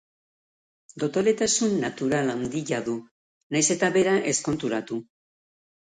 Dotoretasun natural handia du, nahiz eta bera ez konturatu.